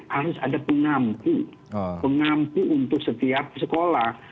harus ada pengampu pengampu untuk setiap sekolah